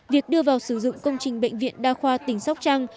việc đưa vào sử dụng công trình bệnh viện đa khoa tỉnh sóc trăng